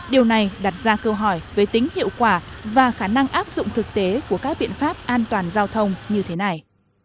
điều này đặt ra câu hỏi về tính hiệu quả và khả năng áp dụng thực tế của các biện pháp an toàn giao thông như thế này